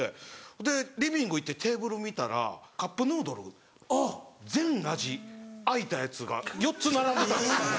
でリビング行ってテーブル見たらカップヌードル全味あいたやつが４つ並んでた。